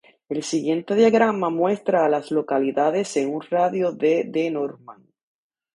El siguiente diagrama muestra a las localidades en un radio de de Norman.